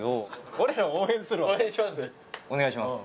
お願いします